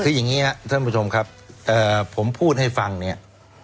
คืออย่างนี้ครับท่านผู้ชมครับผมพูดให้ฟังเนี่ย